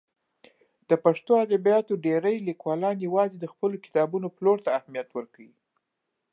د پښتو ادبیاتو ډېری لیکوالان یوازې د خپلو کتابونو پلور ته اهمیت ورکوي.